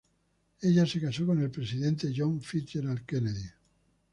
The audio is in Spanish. Ella se casó con el presidente John F. Kennedy.